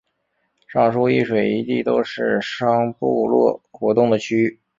上述一水一地都是商部落活动的区域。